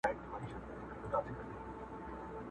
زامن د فرنګیانو څنګه ښکلی کابل غواړي.!